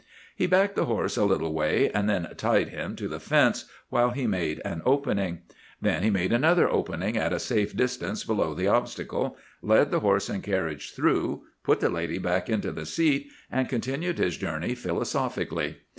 "He backed the horse a little way, and then tied him to the fence while he made an opening. Then he made another opening at a safe distance below the obstacle, led the horse and carriage through, put the lady back into the seat, and continued his journey philosophically.